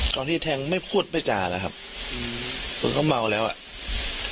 ตอนที่แทงก์ไม่พูดไม่จ่าเลยครับผมก็เมาแล้วอ่ะ